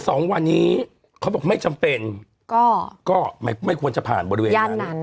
สองวันนี้เขาบอกไม่จำเป็นก็ก็ไม่ไม่ควรจะผ่านบริเวณนั้น